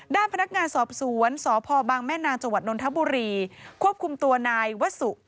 ด้านพนักงานสอบสวนสพแม่นาจนทะบุรีควบคุมตัวนายวสู่